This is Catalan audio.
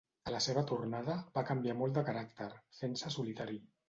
A la seva tornada, va canviar molt de caràcter, fent-se solitari.